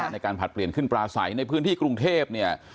ผลัดเปลี่ยนขึ้นปลาใสในพื้นที่กรุงเทพเนี่ย